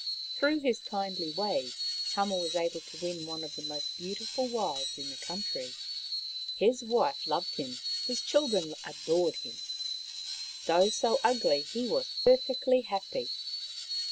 Through his kindly ways Tama was able to win one of the most beautiful wives in the country. His wife loved him, his children adored him. Though so ugly, he was perfectly happy.